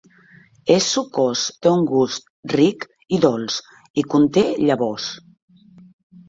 És sucós, té un gust ric i dolç i conté llavors.